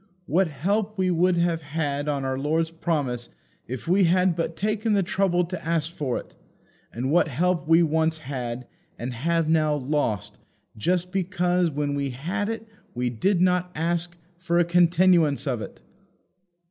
What help we would have had on our Lord's promise if we had but taken the trouble to ask for it! And what help we once had, and have now lost, just because when we had it we did not ask for a continuance of it!